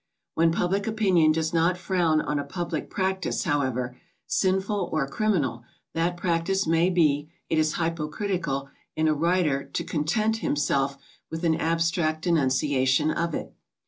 When public opinion does not frown on a public practice, however sinful or criminal that practice may be, it is hypo critical in a writer to content himself with an abstract de nunciation of it.